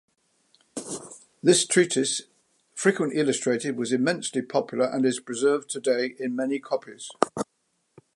This treatise, frequently illustrated, was immensely popular and is preserved today in many copies.